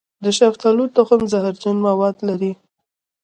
د شفتالو تخم زهرجن مواد لري.